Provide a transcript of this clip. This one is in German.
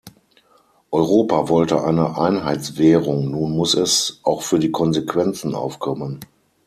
Europa wollte eine Einheitswährung, nun muss es auch für die Konsequenzen aufkommen.